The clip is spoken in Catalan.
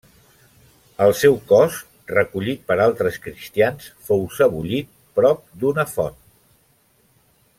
El seu cos, recollit per altres cristians, fou sebollit prop d'una font.